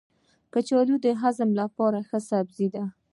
کچالو د هاضمې لپاره ښه سبزی دی.